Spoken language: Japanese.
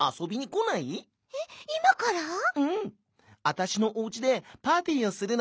わたしのおうちでパーティーをするの。